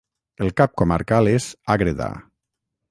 El cap comarcal és Ágreda.